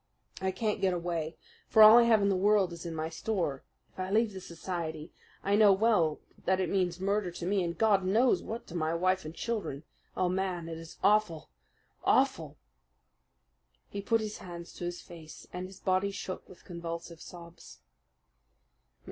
I can't get away; for all I have in the world is in my store. If I leave the society, I know well that it means murder to me, and God knows what to my wife and children. Oh, man, it is awful awful!" He put his hands to his face, and his body shook with convulsive sobs.